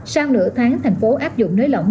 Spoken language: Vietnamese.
sau nửa tháng thành phố áp dụng nới lỏng